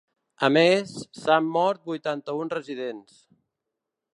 A més, s’han mort vuitanta-un residents.